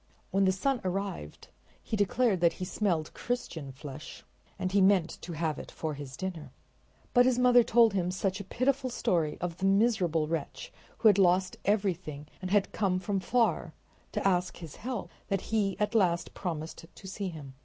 When the sun arrived he declared that he smelled Christian flesh and he meant to have it for his dinner. But his mother told him such a pitiful story of the miserable wretch who had lost everything and had come from far to ask his help that at last he promised to see him.